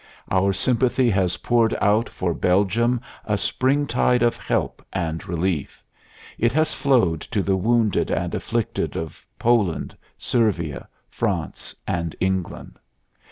Our sympathy has poured out for Belgium a springtide of help and relief; it has flowed to the wounded and afflicted of Poland, Servia, France and England.